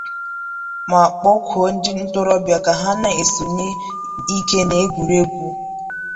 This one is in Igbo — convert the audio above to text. ma kpọkuo ndị ntorobịa ka ha na-esonyesi ike n'egwuregwu